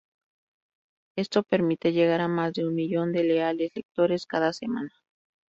Esto permite llegar a más de un millón de leales lectores cada semana.